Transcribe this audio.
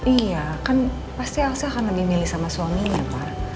iya kan pasti elsa akan lebih milih sama suaminya pak